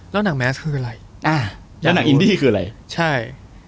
แล้วหนังแมสคืออะไรอย่างอุ่นใช่